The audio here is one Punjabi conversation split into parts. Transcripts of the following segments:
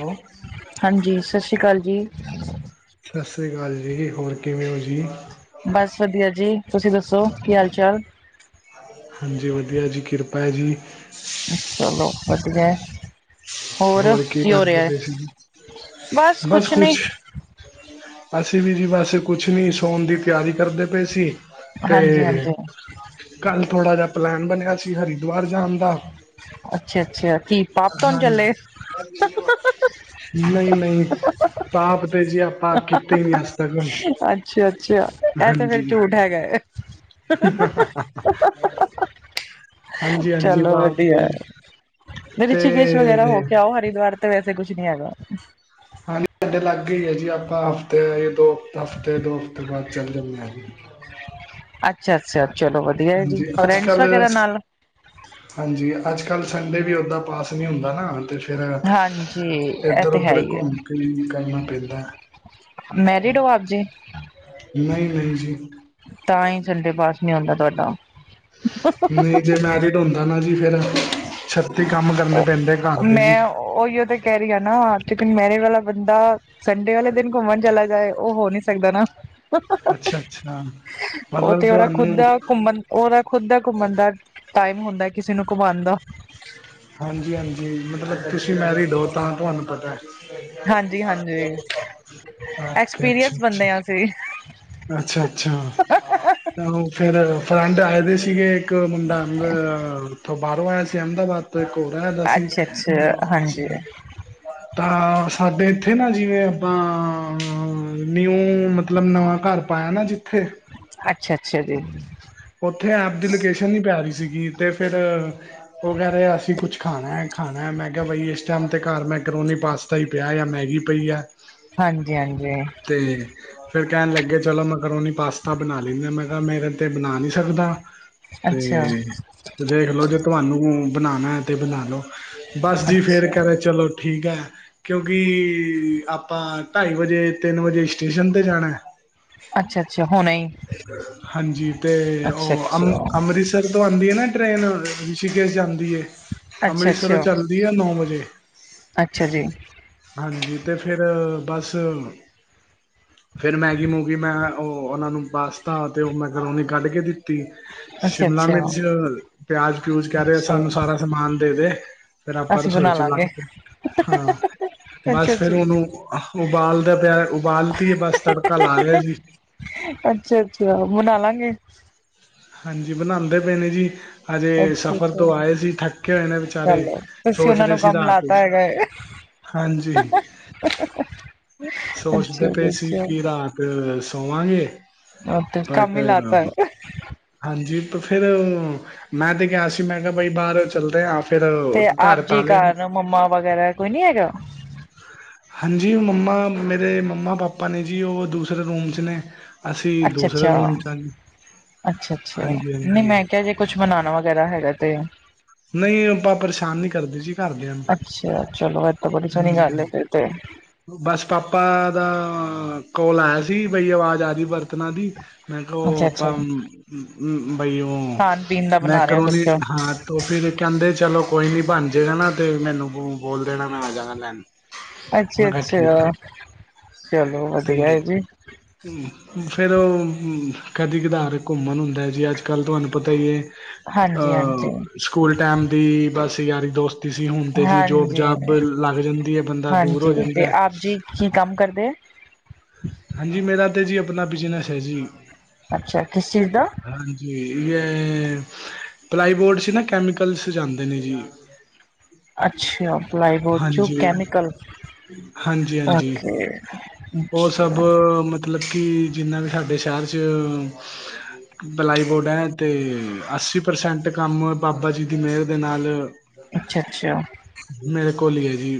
ਹੈਲੋ ਹਾਂਜੀ, ਸਤਿ ਸ੍ਰੀ ਅਕਾਲ ਜੀ। ਸਤਿ ਸ੍ਰੀ ਅਕਾਲ ਜੀ, ਹੋਰ ਕਿਵੇਂ ਹੋ ਜੀ? ਬਸ ਵਧੀਆ ਜੀ, ਤੁਸੀਂ ਦੱਸੋ ਕੀ, ਹਾਲ ਚਾਲ? ਹਾਂਜੀ ਵਧੀਆ ਜੀ, ਕਿਰਪਾ ਹੈ ਜੀ। ਚਲੋ, ਵਧੀਆ ਹੈ। ਹੋਰ, ਕੀ ਹੋ ਰਿਹਾ ਕਰਦੇ ਹੈ, ਪਏ ਸੀ ਜੀ ਬਸ ਕੁਛ ਨਹੀਂ। ਅਸੀਂ ਵੀ ਜੀ ਵੈਸੇ ਕੁਛ ਨਹੀਂ, ਸੌਣ ਦੀ ਤਿਆਡ੍ਹਗਰੀ ਕਰਦੇ ਪਏ ਸੀ। ਹਾਂਜੀ ਤੇ ਹਾਂਜੀ ਕੱਲ, ਥੋੜਾ ਜਾਂਪਲੈਨ੍ਰ ਬਣਿਆ ਸੀ, ਹਰਿਦੁਵਾਰ ਜਾਣ ਦਾ। ਅੱਛਾ- ਅੱਛਾ, ਕੀ ਪਾਪ ਤੋਨ ਚੱਲੇ ਹੋ। ਵਾ ਜੀ ਵਾ। ਨਹੀਂ-ਨਹੀਂ, ਪਾਪ ਤੇ ਜੇ ਆਪਾਂ ਕੀਤੇ ਨੀ ਅੱਜ ਤਕ। ਅੱਛਾ- ਅੱਛਾ, ਇਹ ਤਾਂ ਫੇਿ਼ਰ ਝੂਠ ਹੈਗਾ ਹੈ। ਹਾਂਜੀ ਹਾਂਜੀ ਚਲੋ ਪਾਪ ਵਧੀਆ, ਤੇ ਨੀ ਤੇ ਰਿਸ਼ਕੇਸ਼ ਵਗੈਰਾ ਹੋ ਕਗ ਆਓ। ਹਰਿਦੁਵਾਰ, ਤੇ ਵੈਸੇ ਕੁਛ ਨੀ ਹੈਗਾ। ਹਾਂਜੀ, ਸਾਡੇ ਲਾਗੇ ਹੀ ਹੈ ਜੀ ਆਪਾਂ ਹਫ਼ਤੇ- ਦੋ ਹਫਤੇ- ਦੋ ਹਫ਼ਤੇ ਬਾਦ ਚੱਲੇ ਜਾਂਦੇ ਹਾਂਜੀ। ਅੱਛਾ-ਅੱਛਾ, ਚਲੋ ਵਧੀਆ ਹੈਜੀ, ਹਾਂਜੀ ਅੱਜ ਫਰੈਂਡਸ ਕੱਲ੍ਹ ਵਗੈਰਾ ਨਾਲ। ਹਾਂਜੀ, ਅੱਜ-ਕੱਲ੍ਹ ਸੰਡੇ ਵੀ ਉੱਦਾਂ ਪਾਸ ਨਹੀਂ ਹੁੰਦਾ ਨਾ। ਤੇ ਫੇਰ, ਹਾਂਜੀ ਇਹ ਤੇ ਹੈ ਇੱਧਰ-ਉਧਰ ਹੀ ਹੈ ਘੁੰਮ ਕੇ ਕਰਨਾ ਪੈਂਦਾ। ਮੈਰਿਡ ਹੋ, ਆਪ ਜੀ। ਨਹੀਂ- ਨਹੀਂ, ਜੀ। ਤਾਂਹੀ ਸੰਡੇ ਪਾਸ ਨੀ ਆਉਂਦਾ ਤੁਹਾਡਾ। ਨਈ ਜੇ ਮੈਰਿਡ ਓਂਦਾ ਨਾ ਜੀ ਫੇਰ ਛੱਤੀ ਕਾੱਮ ਕਰਨੇ ਪੈਂਦੈ ਘਾੱਰ ਦੇ ਜੀ। ਓਈਯੋ ਤੇ ਕੈ ਰੀ ਆ ਨਾ, [unintelligible] ਮੇਰੇ ਵਾਲਾ ਬੰਦਾ ਸੰਡੇ ਵਾਲੇ ਦਿਨ ਘੁੰਮਣ ਚਲਾ ਜਾਏ, ਉਹ ਹੋ ਨੀ ਸਕਦਾ ਨਾ। ਅੱਛਾ ਅੱਛਾ ਉਹ ਮਤਲਬ ਤੇ ਉਹਦਾ ਖੁੱਦ ਤੁਹਾਨੂੰ ਦਾ ਘੁੰਮਣ ਉਹਦਾ ਖੁੱਦ ਦਾ ਘੁੰਮਨ ਦਾ ਟਾਈਮ ਹੁੰਦਾ, ਕਿਸੇ ਨੂੰ ਘੁੰਮਾਉਦਾ ਹਾਂਜੀ -ਹਾਂਜੀ ਮਤਲਬ ਤੁਸੀਂ ਮੈਰਿਡ ਹੋ ਤਾਂ ਤੁਹਾਨੂੰ ਪਤਾ। ਹਾਂਜੀ ਹਾਂਜੀ ਉਕੇ, ਅੱਛਾ- ਐਕਸਪੀਰੀਅੰਸ ਅੱਛਾ। ਬੰਦੇ ਆ ਅਸੀਂ ਅੱਛਾ, ਅੱਛਾ ਉਹ ਫੇਰ ਫਰੇੰਡ ਆਏ ਦੇ ਸੀਗੇ, ਇੱਕ ਮੁੰਡਾ ਹੁੰਦਾ, ਉੱਥੋਂ ਬਾਹਰੋਂ ਆਇਆ ਸੀ ਅਹਿਮਦਾਬਾਦ। ਤੇ ਇੱਕ ਹੋਰ ਆਇਆ ਦਾ ਸੀ, ਅੱਛਾ ਅੱਛਾ ਹਾਂਜੀ ਤਾਂ ਸਾਡੇ ਇੱਥੇ ਨਾ ਜਿਵੇਂ ਆਪਾਂ, ਨਿਊ ਮਤਲਬ ਨਵਾਂ ਘਰ ਪਾਇਆ ਨਾ ਜਿੱਥੇ। ਅੱਛਾ-ਅੱਛਾ, ਜੀ। ਉੱਥੇ ਆਪ ਦੀ ਲੋਕੇਸ਼ਨ ਨੀ ਪੈ ਰਹੀ ਸੀਗੀ, ਤੇ ਫਿਰ ਉਹ ਕਹਿ ਰਹੇ, ਅਸੀਂ ਕੁਛ ਖਾਣਾ ਖਾਣਾ, ਮੈਂ ਕਿਹਾ ਬਈ ਇਸ ਟਾਈਮ, ਤੇ ਘਰ ਮੈਂ ਕਰੋ ਨ ਪਾਸ ਉੱਥ, ਹੀ ਪਿਆ ਜਾਂ ਮੈਗੀ ਪਈ ਆ। ਹਾਂਜੀ, ਹਾਂਜੀ ਤੇ ਫੇਰ, ਕਹਿਣ ਲੱਗੇ ਚਲੋ ਮੈਂਕਰੋਨੀ, ਪਾਸਤਾ ਬਣਾ ਲੈਂਦੇ, ਮੈਂ ਕਿਹਾ ਮੇਰੇ ਤੇ ਬਣਾ ਨੀ ਸਕਦਾ ਅੱਛਾ ਤੇ ਦੇਖ ਲੋ ਜੇ ਤੁਹਾਨੂੰ ਬਣਾਉਣਾ ਹੈ, ਤੇ ਬਣਾ ਲਓ। ਬਸ, ਅੱਛਾ ਜੀ ਫੇਰ ਅੱਛਾ ਕਹਦੇ ਚਲੋ। ਠੀਕ ਹੈ, ਕਿਉਂਕਿ, ਆਪਾਂ ਢਾਈ ਵਜੇ ਤਿੰਨ ਵਜੇ ਸਟੇਸ਼ਨ, ਤੇ ਜਾਣਾ। ਅੱਛਾ, ਅੱਛਾ, ਹੋਣਾ ਹੀ। ਹਾਂਜੀ, ਤੇ ਅੱਛਾ ਉਹ ਅਮ ਅੱਛਾ ਅੰਮ੍ਰਿ ਅੰਮ੍ਰਿਤਸਰ ਤੋਂ ਆਉਂਦੀ ਹੈ, ਨਾ ਟ੍ਰੇਨ ਰਿਸ਼ੀਕੇਸ਼ ਜਾਂਦੀ, ਅੱਛਾ ਅੰਮ੍ਰਿਤਸਰ ਤੋਂ ਅੱਛਾ ਚੱਲਦੀ ਹੈ, ਨੌ ਵਜੇ। ਅੱਛਾ ਜੀ। ਹਾਂਜੀ ਤੇ ਫੇਰ ਬਾੱਸ ਫੇਰ ਮੈਗੀ-ਮੂਗੀ ਮੈਂ ਓ, ਓਨਾਂ ਨੂੰ ਪਾਸਤਾ ਤੇ ਓ ਮੈਕਰੋਨੀ ਕਾੱਡ ਕੇ ਦਿੱਤੀ। ਅੱਛਾ ਸ਼ਿਮਲਾ ਅੱਛਾ ਮਿਰਚ ਪਿਆਜ ਪਿਊਜ ਕਹਿ ਰਹੇ ਅੱਛਾ ਸਾਨੂੰ ਸਾਰਾ ਸਮਾਨ ਦੇਦੇ। ਫੇਰ ਆਪਾਂ ਅਸੀਂ ਰਸੋਈ ਬਣਾ 'ਚ ਲੰਗ ਲਾਂਗੇ ਕੇ, ਹਾਂ, ਅੱਛਾ ਬਸ ਫਿਰ ਜੀ ਉਹਨੂੰ ਉਬਾਲਦਾ ਪਿਆ ਉਬਾਲਤੀ ਬਸ ਤੜਕਾ ਲਾ ਰਿਹਾ ਜੀ। ਅੱਛਾ- ਅੱਛਾ ਬਨਾਲਾਂਗੇ। ਹਾਂਜੀ ਬਣਾਉਂਦੇ ਪਏ ਨੇ ਜੀ। ਹਜੇ ਅੱਛਾ ਸਫ਼ਰ ਤੋਂ ਅੱਛਾ ਆਏ ਸੀ ਥੱਕੇ ਹੋਏ ਨੇ ਵਿਚਾਰੇ, ਚਲੋ ਤੁਸੀਂ ਸੋਚ ਉਹਨਾਂ ਰਹੇ ਨੂੰ ਸੀ ਕੰਮ ਰਾਤ ਲਾਤਾ ਕੁਛ ਹੈਗਾ ਹੈ ਹਾਂਜੀ। ਸੋਚਦੇ ਅੱਛਾ ਪਏ ਜੀ ਸੀ ਅੱਛਾ ਕੀ ਰਾਤ ਤੇ ਸੋਵਾਂਗੇ ਤੇ ਬਟ ਕੰਮ ਹੀ ਲਾਤਾ ਹੈ ਹਾਂਜੀ, ਪਰ ਫਿਰ, ਮੈਂ ਤੇ ਕਿਹਾ ਸੀ ਮੈਂ ਕਿਹਾ ਬਈ ਬਾਹਰ ਚੱਲਦੇ ਆ। ਫਿਰ ਤੇ ਆਪ ਘਰ ਜੀ ਤਾਲੇ ਘਰ ਮੰਮਾ ਵਗੈਰਾ, ਕੋਈ ਨੀ ਹੈਗਾ? ਹਾਂਜੀ, ਮੰਮਾ, ਮੇਰੇ ਮੰਮਾ -ਪਾਪਾ ਨੇ ਜੀ ਉਹ ਦੂਸਰੇ ਰੂਮ ਚ ਨੇ। ਅਸੀਂ ਅੱਛਾ, ਦੂਸਰੇ ਅੱਛਾ, ਰੂਮ ਚ ਹਾਂ। ਅੱਛਾ, ਅੱਛਾ ਹਾਂਜੀ ਨਹੀਂ ਹਾਂਜੀ ਮੈਂ ਕਿਹਾ ਜੇ, ਕੁੱਛ ਬਣਾਨ ਵਗੈਰਾ ਹੈਗਾ ਤੇ। ਨਹੀਂ ਆਪਾਂ ਪਰੇਸ਼ਾਨ ਨੀ ਕਰਦੇ ਜੀ ਘਰਦਿਆਂ ਨੂੰ ਅੱਛਾ! ਚਲੋ ਇਹ ਤਾਂ ਬੜੀ ਸੋਹਣੀ ਗੱਲ ਏ ਫੇਰ। ਅਤੇ। ਬਾੱਸ ਪਾਪਾ ਦਾ‌ ਕੋਲ ਆਏਆ ਸੀ ਬਈ ਅਵਾਜ਼ ਆ ਰੀ ਬਰਤਨਾ ਦੀ। ਮੈਂ [unintelligible] ਓ ਅੱਛਾ ਅੱਛਾ ਅਪਾਂ ਬਈ ਓ ਖਾਣ ਪੀਣ ਦਾ ਬਣਾ ਰਹੇ ਹੋ ਕੁਛ ਮੈਕਰੋਨੀ, ਹਾਂ ਤੋ ਫਿਰ ਕੈੰਦੇ ਚਲੋ ਕੋਈ ਨੀ ਬਾੱਨ ਜੇਗਾ ਨਾ ਤੇ ਮੈਨੂੰ ਬੋਲ ਦੇਨਾ ਮੈਂ ਆ ਜਾਗਾ ਲੈਨ। ਅੱਛਾ-ਅੱਛਾ, ਚਲੋ ਵਦੀਆ ਏ ਜੀ। ਹੂੰ। ਫਿਰ ਔ ਕਦੀ -ਕਦਾਰ ਘੁੰਮਣ ਹੁੰਦਾ ਹੈ ਜੀ। ਅੱਜਕੱਲ੍ਹ ਤੁਹਾਨੂੰ ਪਤਾ ਹੀ ਹੈ। ਹਾਂਜੀ ਅਹ ਹਾਂਜੀ ਸਕੂਲ ਟਾਈਮ ਦੀ ਬਸ ਯਾਰੀ ਦੋਸਤ ਤੁਸੀਂ ਹੁਣ ਤੇ ਜੀ ਜੋਬ ਹਾਂਜੀ ਜਾਬ ਲੱਗ ਜਾਂਦੀ ਹੈ, ਬੰਦਾ ਦੂਰ ਹੋ ਹਾਂਜੀ ਤੇ ਜਾਂਦਾ ਆਪ ਜੀ ਕੀ ਕੰਮ ਕਰਦੇ ਆ? ਹਾਂਜੀ ਮੇਰਾ ਤਾਂ ਜੀ ਆਪਣਾ ਬਿਜ਼ਨਸ ਐ ਜੀ। ਅੱਛਾ ਕਿਸ ਚੀਜ਼ ਦਾ? ਹਾਂਜੀ ਪਲਾਈ ਬੋਰਡ ਸੀ, ਨਾ ਕੈਮੀਕਲ ਜਾਂਦੇ ਨੇ ਜੀ। ਅੱਛ ਪਲਾਈ ਬੋਰਡ ਜੋ ਹਾਂਜੀ ਕੈਮੀਕਲ ਹਾਂਜੀ ਹਾਂਜੀ ਅੱਛਾ, ਉਹ ਸਭ [unintelligible] ਮਤਲਬ ਕਿ ਜਨਾ ਵੀ ਸਾਡੇ ਸ਼ਹਿਰ 'ਚ ਬਲਾਈ ਬੋਰਡ ਹੈ ਤੇ ਅੱਸੀ ਪ੍ਰਸੈਂਟ ਕੰਮ ਬਾਬਾ ਜੀ ਦੀ ਮਿਹਰ ਦੇ ਨਾਲ ਅੱਛਾ-ਅੱਛਾ, ਮੇਰੇ ਕੋਲ ਇ ਐ ਜੀ,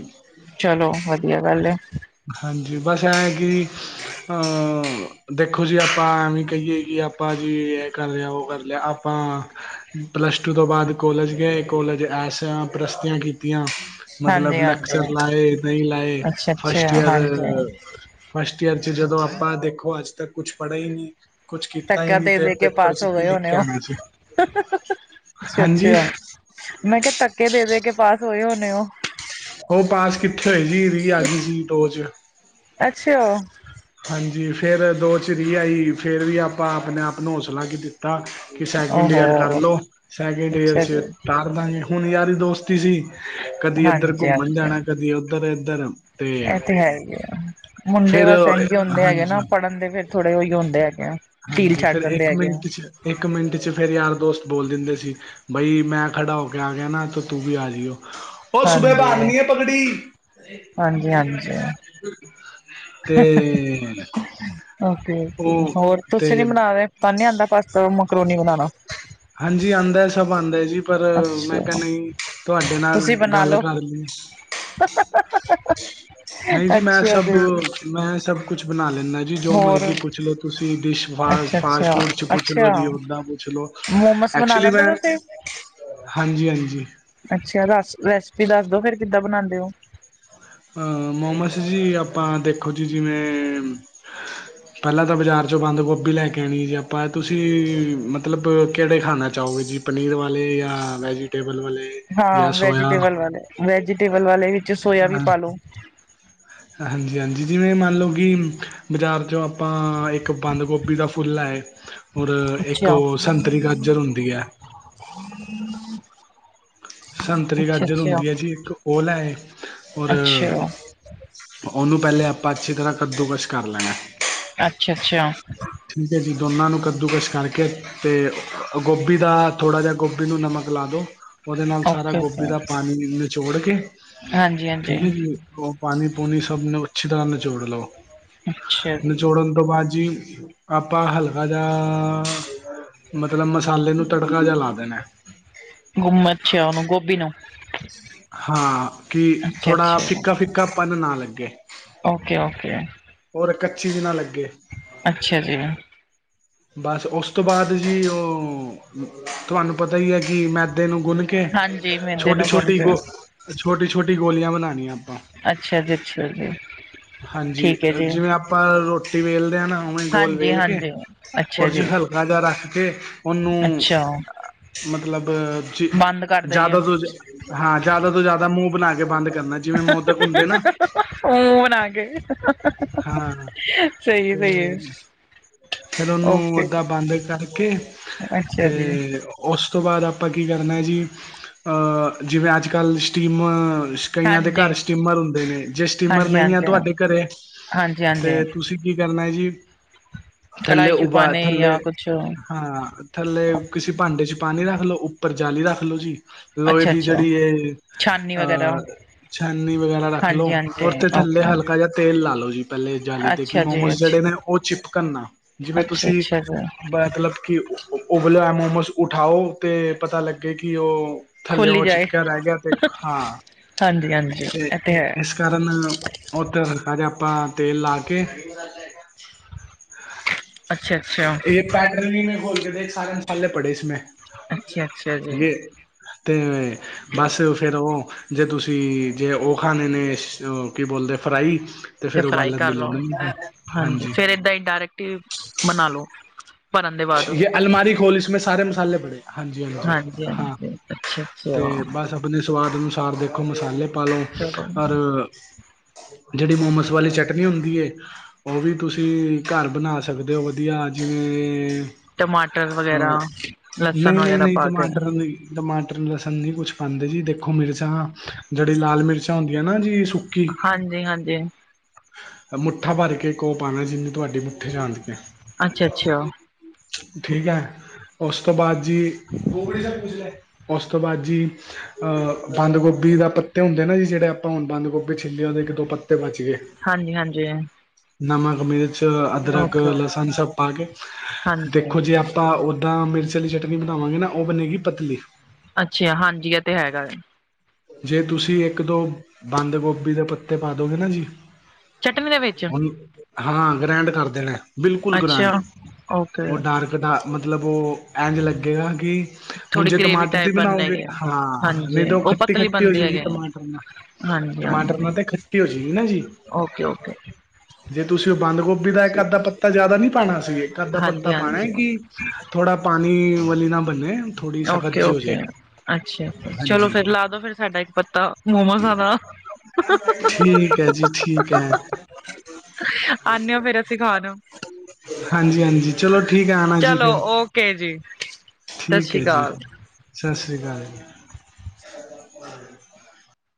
ਚਲੋ, ਵਧੀਆ ਗੱਲ ਏ। ਹਾਂਜੀ। ਬਸ ਇਹ ਹੈ ਕੀ ਅਹ ਦੇਖੋ ਜੀ ਆਪਾਂ ਐਵੇਂ ਕਹੀਏ ਕਿ ਆਪਾਂ ਜੀ ਇਹ ਕਰ ਲਿਆ, ਉਹ ਕਰ ਲਿਆ, ਆਪਾਂ ਪਲੱਸ ਟੂ ਤੋਂ ਬਾਅਦ ਕੋਲਜ ਗਏ, ਕੋਲਜ ਐਸ ਪ੍ਰਸਤੀਆਂ ਕੀਤੀਆਂ। ਮਤਲਬ ਹਾਂਜੀ ਹਾਂਜੀ ਲੈਕਚਰ ਲਾਏ, ਨਹੀਂ ਲਾਏ, ਅੱਛਾ ਫਸਟ ਅੱਛਾ ਈਅਰ ਹਾਂਜੀ ਫਸਟ ਈਅਰ ਚ ਜਦੋਂ ਆਪਾਂ 'ਦੇਖੋ ਅੱਜ ਤੱਕ ਕੁੱਛ ਪੜੇ ਹੀ ਨਹੀਂ। ਕੁਛ ਕੀਤਾ ਹੀ ਧੱਕਾ ਨਹੀਂ ਦੇ ਤੇ ਦੇ ਕੇ ਪੇਪਰ ਪਾਸ ਚ ਓ ਕੀ ਗਏ ਲਿਖ ਓਣੇ ਕੇ ਓ। ਆਣਾ ਸੀ ਹਾਂਜੀ ਅੱਛਾ-ਅੱਛਾ, ਮੈਂ ਕੇਆ ਤੱਕੇ ਦੇ ਦੇ ਕੇ ਪਾਸ ਓਏ ਓਨੇ ਓ। ਓ ਪਾਸ ਕਿੱਥੇ ਹੋਏ ਜੀ, ਰੀ ਆ ਗੀ ਜੀ ਦੋ ਚ। ਅੱਛਾ ਹਾਂਜੀ ਫੇਰ ਦੋ ਚ ਰੀ ਆਈ, ਫੇਰ ਵੀ ਆਪਾਂ ਅਪਨੇ ਆਪ ਨੂੰ ਹੌਸਲਾ ਕੀ ਦਿੱਤਾ ਕਿ ਸੈਕਿੰਡ ਈਅਰ ਓਹੋ ਕਾਰਲੋ, ਸੈਕਿੰਡ ਈਅਰ ਅੱਛਾ ਜੀ ਚ ਤਾਰ ਦਾਗੇ ਹੁਨ ਯਾਰੀ ਦੋਸਤੀ ਸੀ। ਕਦੀ ਏਧਰ ਹਾਂਜੀ ਘੁੰਮਣ ਹਾਂਜੀ ਜਾਣਾ ਐ ਕਦੀ ਉੱਧਰ ਏਧਰ ਇਹ ਤੇ ਹੈ ਹੀ ਐ ਮੁੰਡੇ ਫੇਰ ਬਸ ਇਝ ਹੁੰਦੇ ਹੈਗੇ ਹਾਂਜੀ ਨਾ ਪੜ੍ਹਨ ਦੇ ਫਿਰ ਥੋੜੇ ਉਹੀ ਹੁੰਦੇ ਹੈਗੇ ਆ ਢੀਲ ਹਾਂਜੀ ਛੱਡ ਫੇਰ ਦਿੰਦੇ ਇੱਕ ਹੈਗੇ ਆ ਮਿੰਟ ਚ ਇੱਕ ਮਿੰਟ ਚ ਫੇਰ ਯਾਰ ਦੋਸਤ ਬੋਲ ਦਿੰਦੇ ਸੀ ਬਾਈ ਮੈਂ ਖੜਾ ਹੋ ਕੇ ਆ ਗਿਆ, ਨਾ ਤੂੰ ਵੀ ਆ ਜਾਈਓ। ਹੋ ਸੁਬੇ ਹਾਂਜੀ ਬਦਨੀ ਹੈ ਪਗੜੀ ਹਾਂਜੀ ਹਾਂਜੀ ਤੇ ਓਕੇ-ਓਕੇ ਉਹ ਹੋਰ ਤੁਸੀਂ ਨੀ ਤੇ ਬਨਾਦੇ ਤਾ ਨੀ ਆਉਂਦਾ ਪਾਸ ਮਕਰੂਨੀ ਬਨਾਉਣਾ? ਹਾਂਜੀ ਆਉਂਦਾ ਹੈ, ਸਭ ਆਉਂਦਾ ਹੈ ਜੀ। ਪਰ ਮੈਂ ਅੱਛਾ ਕਹਿੰਦਾ ਜੀ, ਤੁਹਾਡੇ ਨਾਲ ਤੁਸੀਂ ਬਣਾ ਗੱਲ ਲੋ ਕਰ ਲਈਏ। [inaudible] ਨਹੀਂ ਜੀ, ਮੈਂ ਅੱਛਾ ਸਭ ਜੀ ਮੈਂ ਸਭ ਕੁਛ ਬਣਾ ਲੈਂਦਾ ਜੀ ਜੋ ਹੋਰ ਮਰਜ਼ੀ। ਪੁੱਛ ਲੋੋ ਤੁਸੀਂ ਡਿਸ਼ ਅੱਛਾ ਫਾਸਟ ਅੱਛਾ ਫੂਡ ਚ ਪੁੱਛ ਲੋ ਅੱਛਾ ਜੀ ਓਦਾਂ ਪੁੱਛ ਲੋ। ਮੋਮੋਸ ਬਣਾ ਲੈਂਦੇ ਤੁਸੀਂ? ਹਾਂਜੀ-ਹਾਂਜੀ ਅੱਛਾ ਰਸ ਰੈਸਪੀ ਦੱਸਦੋ ਫੇਰ ਕਿੱਦਾਂ ਬਣਾਦੇ ਓ? ਅਹ ਮੋਮਸੀ ਜੀ ਆਪਾਂ ਦੇਖੋ ਜੀ ਜਿਵੇਂ ਪਹਿਲਾਂ ਤਾਂ ਬਾਜ਼ਾਰ ਚੋਂ ਬੰਦ ਗੋਭੀ ਲੈ ਕੇ ਆਉਣੀ, ਜੇ ਆਪਾਂ ਤੁਸੀਂ ਮਤਲਬ ਕਿਹੜੇ ਖਾਣਾ ਚਾਹੋਗੇ ਜੀ? ਪਨੀਰ ਵਾਲੇ ਜਾਂ ਵੈਜੀਟੇਬਲ ਵਾਲੇ? ਹਾਂ ਜਾਂ ਸੋਇਆ ਵੈਜੀਟੇਬਲ ਵਾਲੇ ਵੈਜੀਟੇਬਲ ਵਾਲੇ ਵਿੱਚ ਸੋਇਆ ਵੀ ਪਾਲੋ ਹਾਂਜੀ-ਹਾਂਜੀ, ਜਿਵੇਂ ਮੰਨ ਲਉ ਕਿ ਬਾਜ਼ਾਰ ਚੋ ਆਪਾ ਆਪਾਂ ਇੱਕ ਬੰਦ ਗੋਭੀ ਦਾ ਫੁੱਲ ਲੈ ਆਏ, ਔਰ ਇੱਕ ਅੱਛਾ ਸੰਤਰੀ ਗਾਜਰ ਹੁੰਦੀ ਐ [inaudible] ਸੰਤਰੀ ਅੱਛਾ ਗਾਜਰ ਅੱਛਾ ਹੁੰਦੀ ਐ ਜੀ ਇੱਕ ਉਹ ਲੈਏ ਔਰ ਅੱਛਾ ਓਨੂੰ ਪਹਿਲੇ ਆਪਾਂ ਅੱਛੀ ਤਰ੍ਹਾਂ ਕੱਦੂਕਸ਼ ਕਰ ਲੈਣਾ। ਅੱਛਾ-ਅੱਛਾ ਠੀਕ ਹੈ ਜੀ, ਦੋਨਾਂ ਨੂੰ ਕੱਦੂਕਸ਼ ਕਰਕੇ ਤੇ ਗੋਭੀ ਦਾ ਥੋੜਾ ਜੇਹਾ ਗੋਭੀ ਨੂੰ ਨਮਕ ਲਾ ਦੋ ਓਦੇ ਨਾਲ ਸਾਰਾ ਓਕੇ ਗੋਭੀ ਓਕੇ ਦਾ ਪਾਣੀ ਨਿਚੋੜ ਕੇ। ਹਾਂਜੀ ਹਾਂਜੀ ਠੀਕ ਏ ਜੀ। ਓ ਪਾਣੀ ਪੂਣੀ ਸਭ ਨੂੰ ਅੱਛੀ ਤਰ੍ਹਾਂ ਨਚੋੜ ਲਓ ਅੱਛਾ ਜੀ ਨਿਚੋੜਨ ਬਾਦ ਜੀ ਆਪਾਂ ਹਲਕਾ ਜਾ ਮਤਲਬ ਮਸਾਲੇ ਨੂੰ ਤੜਕਾ ਜਿਆ ਲਾ ਦੇਣਾ। ਗੁੰਮਛ ਓਹਨੂੰ ਗੋਭੀ ਨੂੰ। ਹਾਂ ਕਿ ਅੱਛਾ ਥੋੜਾ ਅੱਛਾ ਫਿੱਕਾ ਫਿੱਕਾਪਨ ਨਾ ਲੱਗੇ। Okay okay. ਹੋਰ ਕੱਚੀ ਜੀ ਨਾ ਲੱਗੇ। ਅੱਛਾ ਜੀ। ਬਸ ਓਸ ਤੋਂ ਬਾਅਦ ਜੀ ਓ ਤੁਹਾਨੂੰ ਪਤਾ ਹੀ ਏ ਕਿ ਮੈਦੇ ਨੂੰ ਗੁੱਨ ਕੇ ਹਾਂਜੀ ਮੈਦੇ ਛੋਟੀ ਨੂੰ ਗੁੰਨ ਛੋਟੀ ਕੇ ਗੋ ਛੋਟੀ ਛੋਟੀ ਗੋਲੀਆਂ ਬਨਾਨੀਆਂ ਆਪਾਂ। ਅੱਛਾ ਜੀ ਅੱਛਾ ਜੀ ਠੀਕ ਹੈ ਜੀ। ਜਿਵੇ ਆਪਾਂ ਰੋਟੀ ਵੇਲਦੇ ਆ ਨਾ। ੳਵੇਂ ਗੋਲ ਹਾਂਜੀ ਵੇਲ ਕੇ ਹਾਂਜੀ ਅੱਛਾ ੳਚ ਜੀ ਹਲਕਾ ਜਿਹਾ ਰੱਖ ਕੇ ਉਹਨੂੰ ਅੱਛਾ ਮਤਲਬ ਜੀ ਬੰਦ ਕਰ ਦਈਏ ਜ਼ਿਆਦਾ ਤੋਂ, ਹਾਂ ਜ਼ਿਆਦਾ ਤੋਂ ਜ਼ਿਆਦਾ ਮੂੰਹ ਬਨਾ ਕੇ ਬੰਦ ਕਰਨਾ ਜਿਵੇਂ ਮੋਦਕ ਹੁੰਦੇ ਨਾ। ਉਹ ਬਨਾ ਗੇ ਹਾਂ ਸਹੀ ਏ ਸਹੀ ਏ, ਫੇਰ ਉਹਨੂੰ ਓਦਾਂ ਬੰਦ ਕਰਕੇ ਅੱਛਾ ਜੀ ਤੇ ਉਸ ਤੋਂ ਬਾਅਦ ਆਪਾਂ ਕੀ ਕਰਨਾ ਜੀ ਜਿਵੇਂ ਅੱਜ ਕੱਲ੍ਹ ਸਟੀਮ, ਕਈਆਂ ਦੇ ਹਾਂਜੀ ਘਰ ਸਟੀਮਰ ਹੁੰਦੇ ਨੇ, ਜੇ ਸਟੀਮਰ ਹਾਂਜੀ ਨਹੀਂ ਏ ਹਾਂਜੀ ਤੁਹਾਡੇ ਘਰੇ ਹਾਂਜੀ ਤੇ ਹਾਂਜੀ ਤੁਸੀਂ ਕੀ ਕਰਨਾ ਹੈ ਜੀ ਥੱਲੇ ਕੜਾਹੀ ਚ ਉਭਾ ਪਾਣੇ ਥੱਲੇ ਜਾਂ ਕੁਛ ਹਾਂ, ਥੱਲੇ ਕਿਸੇ ਭਾਂਡੇ ਚ ਪਾਣੀ ਰੱਖ ਲੋ, ਉੱਪਰ ਜਾਲੀ ਰੱਖ ਲੋੋ ਜੀ ਲੋਹੇ ਅੱਛਾ ਦੀ ਅੱਛਾ ਜਿਹੜੀ ਇਹ ਛਾਨਨੀ ਵਗੈਰਾ ਅਹ ਛਾਨੀ ਵਗੈਰਾ ਰੱਖ ਲੋ ਹਾਂਜੀ ਹਾਂਜੀ ੳਰ ਤੇ ਥੱਲੇ ਓਕੇ ਹਲਕਾ ਜਾ, ਤੇਲ ਲਾ ਲਓ ਜੀ ਪਹਿਲੇ ਜਾਲੀ ਤੇ ਕਿ ਅੱਛਾ ਜੀ ਮੋਮੋਸ ਜਿਹੜੇ ਅੱਛਾ ਨੇ ਉਹ ਚਿਪਕਨ ਨਾ ਜਿਵੇਂ ਅੱਛਾ ਤੁਸੀਂ ਅੱਛਾ ਜੀ ਮਤਲਬ ਕੀ ੳ ਉਬਲਿਆ ਮੋਮੋਸ ਉਠਾਓ ਤੇ ਪਤਾ ਲੱਗੇ ਕਿ ਉਹ ਥੱਲੇਓ ਖੋਲੀ ਓ ਜਾਏ ਚਿਪਕਿਆ ਰਹਿ ਗਿਆ ਤੇ ਹਾਂ ਹਾਂਜੀ ਹਾਂਜੀ ਤੇ ਇਹ ਹੈ ਇਸ ਕਰਨ ਰਨ ਓਥੇ ਸਾਰੇ ਆਪਾਂ ਤੇਲ ਲਾ ਕੇ [unintelligible] [inaudible] ਅੱਛਾ ਅੱਛਾ। ਪੈਟਰਨੀ ਮੇ ਖੋਲ ਕੇ ਦੇਖ ਸਾਰੇ ਮਸਾਲੇ ਪੜੇ ਇਸਮੇ ਅੱਛਾ-ਅੱਛਾ ਜੀ ਯੇ ਤੇ ਬਸ ਫੇਰ ਓਹ ਜੇ ਤੁਸੀ ਜੇ ਓਹ ਖਾਨੇ ਨੇ ਕੀ ਬੋਲਦੇ ਫਰਾਈ। ਤੇ ਫੇਰ ਫਰਾਈ ਉਬਾਲਣ ਦੀ ਕਰ ਲਓ। ਲੋੜ ਨੀ ਹੈ ਹਾਂਜੀ ਫੇਰ ਏਦਾਂ ਈ ਡਾਇਰੈਕਟ ਫੇਰ ਬਨਾ ਲੋ ਭਰਨ ਦੇ ਬਾਦ। ਯੇ ਅਲਮਾਰੀ ਖੋਲ ਇਸਮੇ ਸਾਰੇ ਮਸਾਲੇ ਪੜੇ। ਹਾਂਜੀ ਹਾਂਜੀ ਹਾਂ ਹਾਂਜੀ-ਹਾਂਜੀ ਅੱਛਾ-ਅੱਛਾ ਤੇ ਬਸ ਅਪਨੇ ਸਵਾਦ ਅਨੁਸਾਰ ਦੇਖੋ ਮਸਾਲੇ ਪਾ ਲਓ। ਚਲੋ ਅਰ ਜਿਹੜੀ ਮੋਮੋਸ ਵਾਲੀ ਚਟਨੀ ਹੁੰਦੀ ਏ ੳਹ ਵੀ ਤੁਸੀਂ ਘਰ ਬਨਾ ਸਕਦੇ ਓ ਵਧੀਆ ਜਿਵੇਂ ਟਮਾਟਰ ਵਗੈਰਾ ਅ ਲਸਣ ਨਹੀ ਨਹੀ ਵਗੈਰਾ ਨਹੀ ਪਾ ਕੇ ਟਮਾਟਰ ਨਹੀ। ਟਮਾਟਰ ਲਸਨ ਨੀ ਕੁਛ ਪਾਂਦੇ ਜੀ ਦੇਖੋ ਮਿਰਚਾਂ ਜਿਹੜੀ ਲਾਲ ਮਿਰਚਾਂ ਹੁੰਦੀਆਂ ਨਾ ਜੀ ਸੁੱਕੀ। ਹਾਂਜੀ-ਹਾਂਜੀ ਮੁੱਠਾ ਭਰ ਕੇ ਕੋ ਪਾਣਾ ਜਿੰਨੀ ਤੁਹਾਡੀ ਮੁੱਠੀ ਚ ਆਂਦੀਆਂ ਏ। ਅੱਛਾ ਅੱਛਾ। ਠੀਕ ਏ। ਓਸ ਤੋਂ ਬਾਅਦ ਜੀ ੳਸ ਤੋ‌ ਬਾਅਦ ਜੀ। ਅ ਬੰਦ ਗੋਭੀ ਦਾ ਪੱਤੇ ਹੁੰਦੇ ਨਾ ਜੀ ਜੇਹੜੇ ਆਪਾਂ ਹੁਨ ਬੰਦ ਗੋਭੀ ਛਿਲੀ ਓਦੇ ਇੱਕ ਦੋ ਪੱਤੇ ਬੱਚ ਗਏ। ਹਾਂਜੀ ਹਾਂਜੀ। ਨਮਕ, ਮਿਰਚ, ਅਦਰਕ, ਓਕੇ, ਲਸਨ ਸਬ ਪਾ ਕੇ। ਹਾਂਜੀ ਦੇਖੋ ਜੇ ਆਪਾਂ ਓਦਾਂ ਮਿਰਚ ਵਾਲੀ ਚਟਨੀ ਬਨਾਵਾਂਗੇ ਨਾ ਓਹ ਬਨੇਗੀ ਪਤਲੀ। ਅੱਛਾ ਹਾਂਜੀ ਏ ਤੇ ਹੈਗਾ। ਜੇ ਤੁਸੀ ਏਕ ਦੋ ਬੰਦ ਗੋਭੀ ਦੇ ਪੱਤੇ ਪਾ ਦੋਗੇ ਨਾ ਜੀ। ਚਟਨੀ ਦੇ ਵਿੱਚ ਓਨ ਹਾਂ ਗ੍ਰੈਂਡ ਕਰਦੇ ਨੇ ਬਿਲਕੁਲ ਅੱਛਾ ਗ੍ਰੈਂਡ ਓਕੇ ਉ ਡਾਰਕ ਡਾ ਮਤਲਬ ਉਹ ਏੰਜ ਲੱਗੇਗਾ ਕਿ ਹੁਣ ਥੋੜੀ ਜੇ ਗ੍ਰੇਵੀ ਟਮਾਟਰ ਦੀ ਟਾਈਪ ਬਣ ਬਨਾਓਗੇ ਹੈਗੀ ਹੈ ਹਾਂ ਹਾਂਜੀ ਨਈ ਤੇ ਓ ਉਹ ਪਤਲੀ ਖੱਟੀ-ਖੱਟੀ ਬਣਦੀ ਹੋਜੇਗੀ ਹੈਗੇ ਟਮਾਟਰ ਨਾਲ। ਟਮਾਟਰ ਨਾ ਹਾਂਜੀ-ਹਾਂਜੀ ਤੇ ਖੱਟੀ ਹੋਜੇਗੀ ਨਾ ਜੀ। ਓਕੇ-ਓਕੇ ਜੇ ਤੁਸੀਂ ਓ ਬੰਦ ਗੋਭੀ ਦਾ ਇੱਕ ਠੀਕ ਅੱਧਾ ਹੈ ਠੀਕ ਪੱਤਾ ਜਿਆਦਾ ਨੀ ਪਾਣਾ ਸੀ ਇਕ ਅੱਧਾ ਪੱਤਾ ਪਾਣਾ ਹਾਂਜੀ-ਹਾਂਜੀ, ਏ ਕਿ ਥੋੜਾ ਪਾਨੀ ਵਲੀ ਨਾ ਬੰਨੇ ਓਕੇ, ਓਕੇ ਅੱਛਾ ਚਲੋ ਹਾਂਜੀ ਫਿਰ ਲਾ ਦੋ ਫਿਰ ਸਾਡਾ ਇੱਕ ਪੱਤਾ ਮੋਮੋਜਾ ਦਾ ਠੀਕ ਏ ਜੀ, ਠੀਕ ਏ। ਆਨੇ ਆ ਫੇਰ ਅਸੀਂ ਖਾਨ। ਹਾਂਜੀ-ਹਾਂਜੀ, ਚਲੋ ਠੀਕ ਐ ਆਣਾ ਜੀ ਫਿਰ ਕੇ ਜੀ। ਸਤਿ ਠੀਕ ਸ਼੍ਰੀ ਐ ਜੀ। ਅਕਾਲ। ਸਾਸਰੀਕਾਲ ਜੀ।